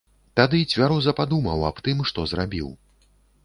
Тады цвяроза падумаў аб тым, што зрабіў.